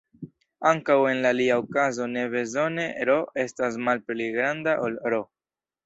Ankaŭ, en la alia okazo ne bezone "r" estas malpli granda ol "R".